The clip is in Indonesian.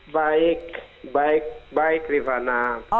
baik baik baik rifana